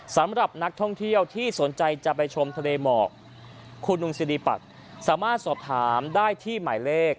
สำหรับนักท่องเที่ยวที่สนใจจะไปชมทะเลหมอกคุณลุงสิริปัตย์สามารถสอบถามได้ที่หมายเลข